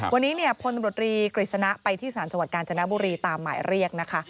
วันนี้เนี่ยพลตำรวจรีกฤษณะไปที่ศาลจังหวัดกาญจนบุรีตามหมายเรียกนะคะ